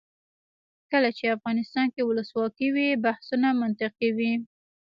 کله چې افغانستان کې ولسواکي وي بحثونه منطقي وي.